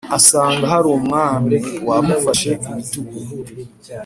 asanga harumwami wamufashe ibitugu